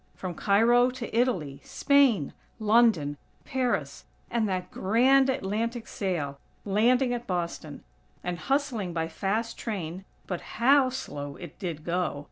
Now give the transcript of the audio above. From Cairo to Italy, Spain, London, Paris, and that grand Atlantic sail, landing at Boston, and hustling by fast train (but how slow it did go!!)